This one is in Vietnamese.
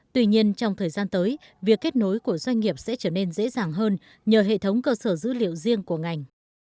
tuy nhiên trong thời gian tới việc kết nối của doanh nghiệp sẽ trở nên dễ dàng hơn nhờ hệ thống cơ sở dữ liệu riêng của ngành